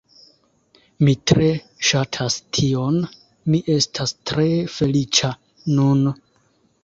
Mi tre ŝatas tion, mi estas tre feliĉa nun